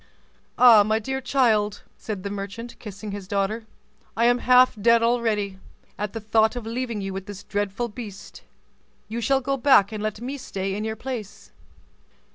"Ah! my dear child," said the merchant, kissing his daughter, "I am half dead already, at the thought of leaving you with this dreadful beast; you shall go back and let me stay in your place."